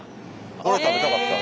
これ食べたかった。